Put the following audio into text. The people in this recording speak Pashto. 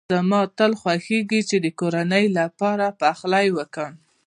زما تل خوښېږی چي د کورنۍ لپاره پخلی وکړم.